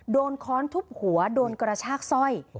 ค้อนทุบหัวโดนกระชากสร้อย